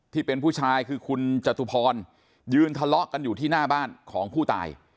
ที่เป็นผู้ชายคือคุณจตุพรยืนทะเลาะกันอยู่ที่หน้าบ้านของผู้ตาย